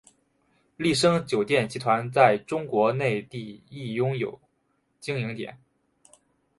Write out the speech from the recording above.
丽笙酒店集团在中国内地亦拥有经营点。